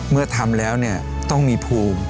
เมื่อทำแล้วต้องมีภูมิ